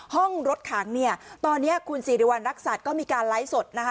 ห้องรถขังเนี่ยตอนนี้คุณสิริวัณรักษัตริย์ก็มีการไลฟ์สดนะคะ